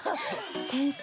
先生